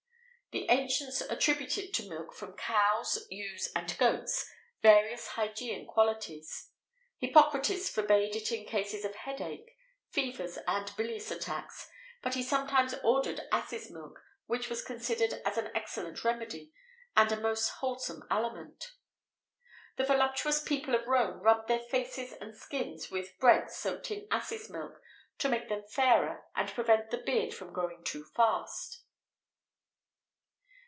The ancients attributed to milk from cows, ewes, and goats, various Hygeian qualities.[XVIII 11] Hippocrates forbade it in cases of head ache, fevers, and bilious attacks;[XVIII 12] but he sometimes ordered asses' milk,[XVIII 13] which was considered as an excellent remedy, and a most wholesome aliment.[XVIII 14] The voluptuous people of Rome rubbed their faces and skins with bread soaked in asses' milk, to make them fairer and prevent the beard from growing too fast.